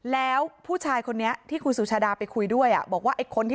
แล้วผู้ชายคนนี้ที่คุณสุชาดากำลังเข้ามาไปคุยด้วยอะ